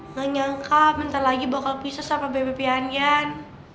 nganyangka bentar lagi bakal pisah sama bebe pihan kan